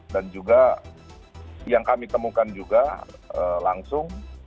dan juga yang kami temukan juga langsung